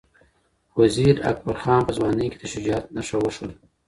وزیر اکبر خان په ځوانۍ کې د شجاعت نښه وښوده.